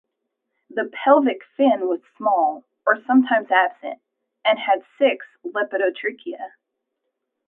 The pelvic fin was small or sometimes absent, and had six lepidotrichia.